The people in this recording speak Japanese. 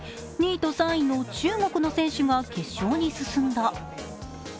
２位と３位の中国の選手が決勝に進んだ。